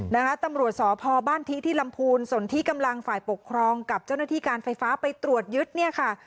นะคะตำรวจสพบ้านทิที่ลำพูนส่วนที่กำลังฝ่ายปกครองกับเจ้าหน้าที่การไฟฟ้าไปตรวจยึดเนี่ยค่ะ